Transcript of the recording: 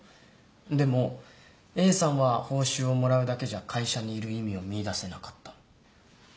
でもＡさんは報酬をもらうだけじゃ会社にいる意味を見いだせなかった。